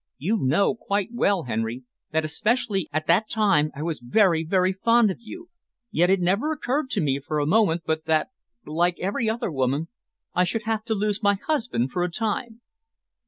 You know quite well, Henry, that especially at that time I was very, very fond of you, yet it never occurred to me for a moment but that, like every other woman, I should have to lose my husband for a time.